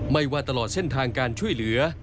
ว่าตลอดเส้นทางการช่วยเหลือ